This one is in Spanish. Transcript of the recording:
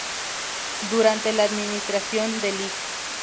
Durante la administración del Lic.